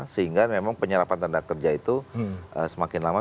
sehingga memang penyerapan tanda kerja itu semakin lama